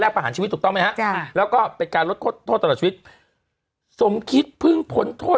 แรกประหารชีวิตถูกต้องไม่แล้วก็เป็นการรดโทษโทษตลอดชีวิตสมคิดพึ่งผนโทษ